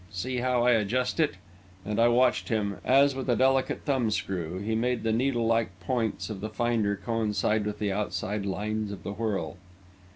See how I adjust it," and I watched him, as, with a delicate thumbscrew, he made the needle like points of the finder coincide with the outside lines of the whorl.